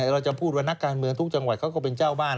เราจะพูดว่านักการเมืองทุกจังหวัดเขาก็เป็นเจ้าบ้าน